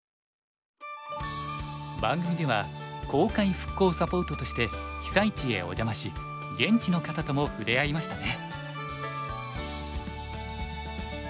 番組では公開復興サポートとして被災地へお邪魔し現地の方とも触れ合いましたね。